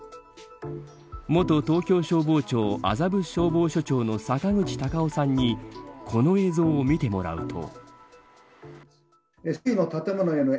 元東京消防庁、麻布消防署長の坂口隆夫さんにこの映像を見てもらうと。